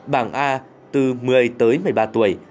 bảng a từ một mươi tới một mươi ba tuổi